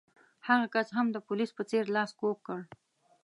هغه کس هم د پولیس په څېر لاس کوږ کړ.